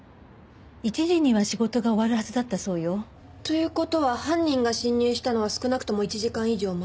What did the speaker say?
１時には仕事が終わるはずだったそうよ。という事は犯人が侵入したのは少なくとも１時間以上前。